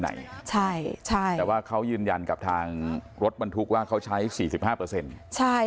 ไหนใช่แต่ว่าเขายืนยันกับทางรถบรรทุกว่าเขาใช้๔๕ใช่